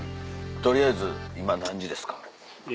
取りあえず今何時ですか？